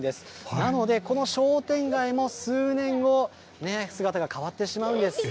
なので、この商店街も数年後、姿が変わってしまうんです。